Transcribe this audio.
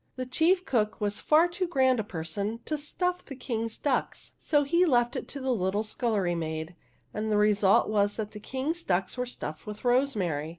The chief cook was far too grand a person to stuff the King's ducks, so he left it to the little scullery maid ; and the result was that the King's ducks were stuffed with rosemary.